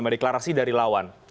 deklarasi dari lawan